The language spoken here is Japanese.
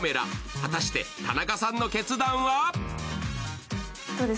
果たして田中さんの決断は？